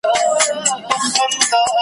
د هغو روایتونو پر ضد ولاړ دي